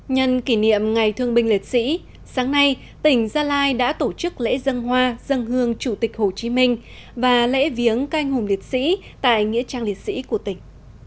nhân kỷ niệm ngày thương binh liệt sĩ sáng nay tỉnh gia lai đã tổ chức lễ dân hoa dân hương chủ tịch hồ chí minh và lễ viếng canh hùng liệt sĩ tại nghĩa trang liệt sĩ của tỉnh